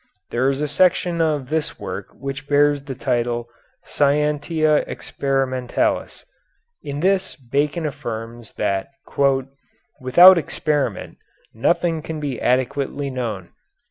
There is a section of this work which bears the title "Scientia Experimentalis." In this Bacon affirms that "without experiment nothing can be adequately known.